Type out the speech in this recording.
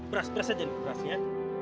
beras beras aja nih berasnya